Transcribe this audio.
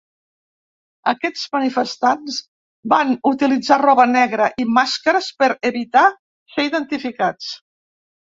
Aquests manifestants van utilitzar roba negra i màscares per evitar ser identificats.